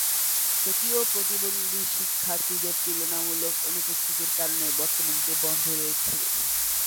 যদিও প্রতিবন্ধী শিক্ষার্থীদের তুলনামূলক অনুপস্থিতির কারণে বর্তমানে এটি বন্ধ রয়েছে।